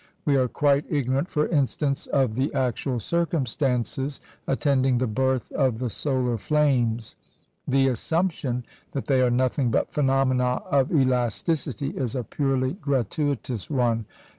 We are quite ignorant, for instance, of the actual circumstances attending the birth of the solar flames. The assumption that they are nothing but phenomena of elasticity is a purely gratuitous one.